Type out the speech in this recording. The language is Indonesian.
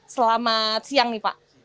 selamat siang nih pak